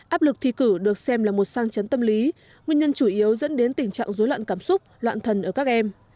áp lực thi cử được xem là một sang chấn tâm lý nguyên nhân chủ yếu dẫn đến tình trạng dối loạn cảm xúc loạn thần ở các em